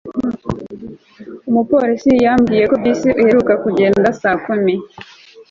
umupolisi yambwiye ko bisi iheruka kugenda saa kumi